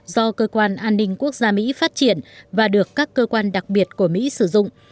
do cơ quan an ninh quốc gia mỹ phát triển và được các cơ quan đặc biệt của mỹ sử dụng